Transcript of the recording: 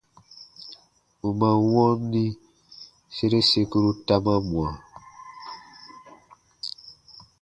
U man wɔnni, sere sekuru ta man mwa.